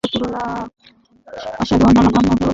হাঁ, ছুঁচে সুতো পরাচ্ছিলেন।